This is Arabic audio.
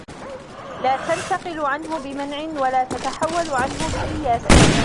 لَا تَنْتَقِلُ عَنْهُ بِمَنْعٍ وَلَا تَتَحَوَّلُ عَنْهُ بِإِيَاسٍ